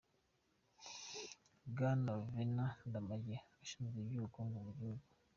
Bwana Venant Ndamage, Ushinzwe iby’Ubukungu bw’igihugu